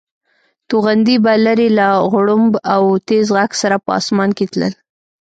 توغندي به لرې له غړومب او تېز غږ سره په اسمان کې تلل.